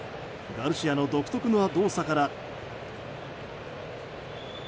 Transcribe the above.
ガルシアの独特な動作から。